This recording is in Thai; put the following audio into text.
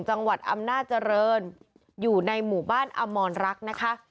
จังหวัดอำนาจริงอยู่ในหมู่บ้านอมรรักนะคะ